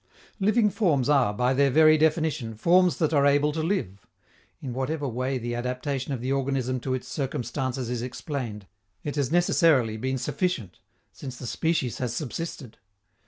Living forms are, by their very definition, forms that are able to live. In whatever way the adaptation of the organism to its circumstances is explained, it has necessarily been sufficient, since the species has subsisted.